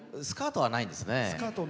スカートはないんですね。